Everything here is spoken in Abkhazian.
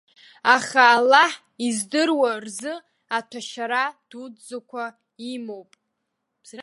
Аха Аллаҳ издыруа рзы аҭәашьара дуӡӡақәа имоуп.